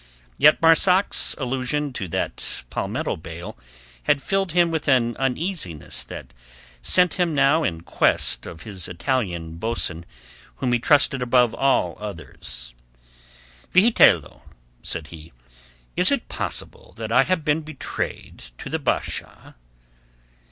Yet Marzak's allusion to that palmetto bale had filled him with an uneasiness that sent him now in quest of his Italian boatswain whom he trusted above all others. "Vigitello," said he, "is it possible that I have been betrayed to the Basha?"